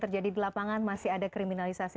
terjadi di lapangan masih ada kriminalisasi